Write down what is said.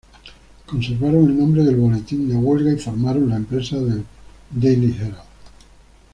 Conservaron el nombre del boletín de huelga y formaron la empresa del "Daily Herald".